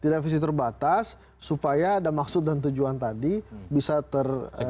direvisi terbatas supaya ada maksud dan tujuan tadi bisa ter